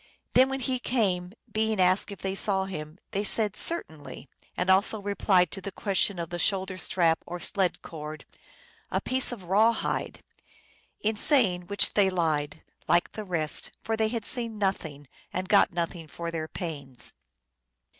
Then when He came, being asked if they saw him, they said, " Certainly, and also replied to the question of the shoulder strap or sled cord, " A piece of rawhide." In saying which, they lied, like the rest, for they had seen nothing, and got nothing for their pains.